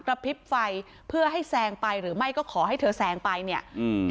พริบไฟเพื่อให้แซงไปหรือไม่ก็ขอให้เธอแซงไปเนี่ยอืม